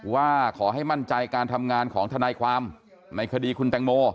ว่าขอให้มั่นใจการทำงานของทนายความในคดีคุณแตงโม